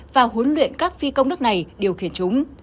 và huấn luyện các phi công nước này điều khiển chúng